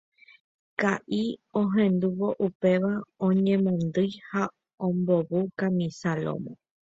Ka'i ohendúvo upéva oñemondýi ha ombovu kamisa lómo.